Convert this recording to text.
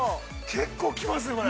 ◆結構きますね、これ。